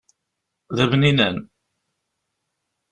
D abninan.